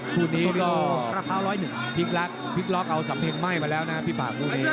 คู่นี้ก็พิกล็อกเอาสัมเทียงไหม้มาแล้วนะพี่ป่าวคู่นี้